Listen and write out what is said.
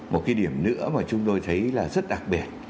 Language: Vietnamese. một cái điểm nữa mà chúng tôi thấy là rất đặc biệt